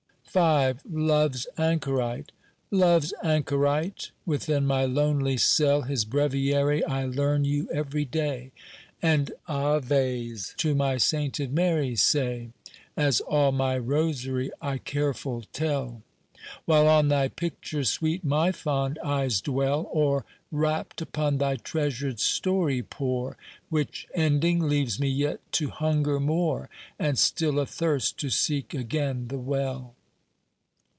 V LOVE'S ANCHORITE LOVE'S anchorite, within my lonely cell, His breviary I learn you every day, And Aves to my sainted Mary say, As all my rosary I careful tell: While on thy picture sweet my fond eyes dwell, Or rapt upon thy treasured story pore, Which, ending, leaves me yet to hunger more, And still athirst to seek again the well.